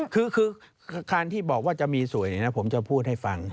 คือที่บอกว่าจะมีสวยนี่นะผมจะพูดให้ฟัง